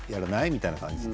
みたいな感じで。